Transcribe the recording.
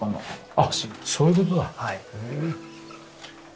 あっそういう事だ。